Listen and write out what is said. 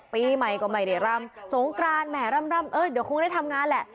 ปีใหม่ก็ไม่ได้รำสงกรานแหมรำเอ้ยเดี๋ยวคงได้ทำงานแหละ